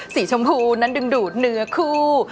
สีชมพูนั้นดึงดูดเนื้อคู่